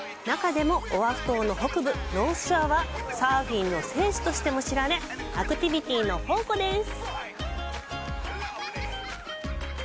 中でもオアフ島の北部ノースショアはサーフィンの聖地としても知られアクティビティの宝庫です。